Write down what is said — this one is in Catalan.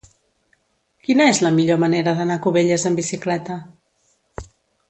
Quina és la millor manera d'anar a Cubelles amb bicicleta?